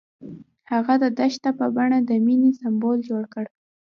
هغه د دښته په بڼه د مینې سمبول جوړ کړ.